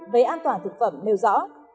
về an toàn thực phẩm nêu rõ